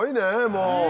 もう。